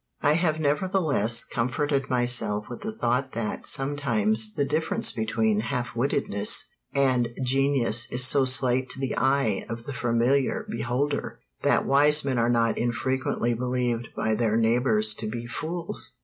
I have nevertheless comforted myself with the thought that sometimes the difference between half wittedness and genius is so slight to the eye of the familiar beholder that wise men are not infrequently believed by their neighbors to be fools.